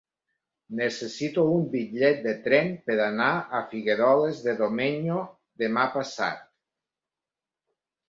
Necessito un bitllet de tren per anar a Figueroles de Domenyo demà passat.